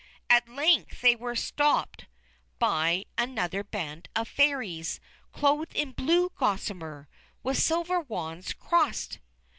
At length they were stopped by another band of Fairies, clothed in blue gossamer, with silver wands crossed.